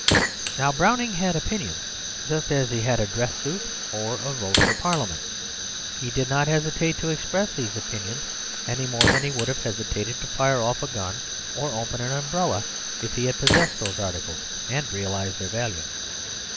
Now Browning had opinions, just as he had a dress suit or a vote for Parliament. He did not hesitate to express these opinions any more than he would have hesitated to fire off a gun, or open an umbrella, if he had possessed those articles, and realised their value.